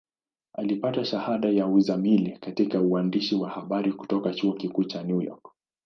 Alipata shahada ya uzamili katika uandishi wa habari kutoka Chuo Kikuu cha New York.